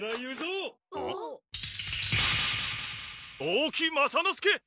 大木雅之助！